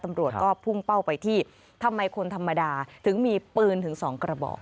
ตำรวจก็พุ่งเป้าไปที่ทำไมคนธรรมดาถึงมีปืนถึงสองกระบอก